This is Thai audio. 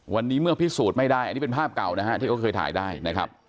วันนี้เมื่อพิสูจน์ไม่ได้อันนี้เป็นภาพเก่านะฮะที่เขาเคยถ่ายได้นะครับ